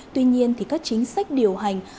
tuy nhiên thì các chính sách điều hành